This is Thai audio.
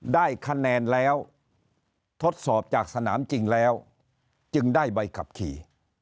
ได้คะแนนแล้วทดสอบจากสนามจริงแล้วจึงได้ใบขับขี่